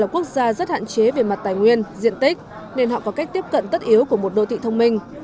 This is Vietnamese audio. quốc gia rất hạn chế về mặt tài nguyên diện tích nên họ có cách tiếp cận tất yếu của một đô thị thông minh